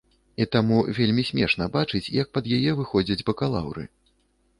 Таму вельмі смешна бачыць, як пад яе выходзяць бакалаўры.